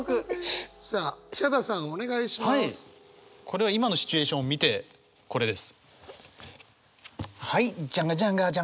これは今のシチュエーション見てこれです。